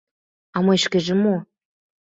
А мый шкеже мо?